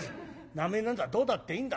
「名前なんざどうだっていいんだ。